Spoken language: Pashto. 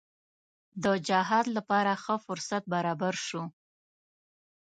د جهاد لپاره ښه فرصت برابر شو.